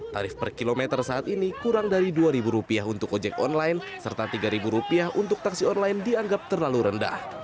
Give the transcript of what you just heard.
tarif per kilometer saat ini kurang dari rp dua untuk ojek online serta rp tiga untuk taksi online dianggap terlalu rendah